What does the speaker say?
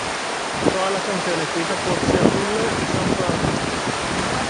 Todas las canciones escritas por Sia Furler y Sam Frank.